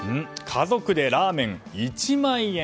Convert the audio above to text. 家族でラーメン１万円。